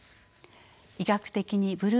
医学的にブル―